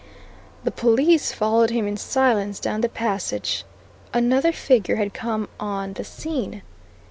The police followed him in silence down the passage. Another figure had come on the scene.